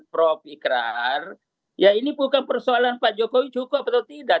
prof ikrar ya ini bukan persoalan pak jokowi cukup atau tidak